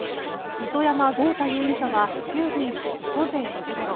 糸山豪太容疑者は１５日午前５時ごろ